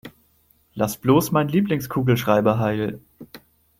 Lass bloß meinen Lieblingskugelschreiber heil!